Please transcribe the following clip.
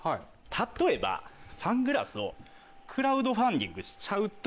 例えばサングラスをクラウドファンディングしちゃうと。